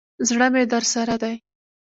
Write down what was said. زړه مي درسره دی.